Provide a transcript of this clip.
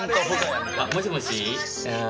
もしもし